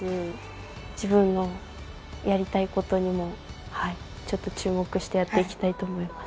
自分のやりたいことにも注目してやっていきたいと思います。